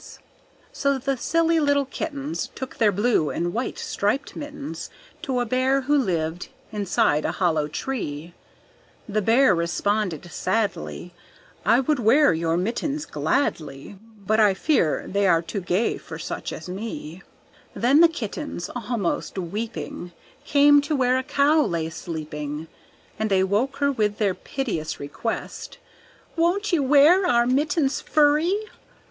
So the silly little kittens Took their blue and white striped mittens To a Bear who lived within a hollow tree; The Bear responded sadly, "I would wear your mittens gladly, But I fear they are too gay for such as me." Then the kittens, almost weeping, Came to where a Cow lay sleeping, And they woke her with this piteous request, "Won't you wear our mittens furry?"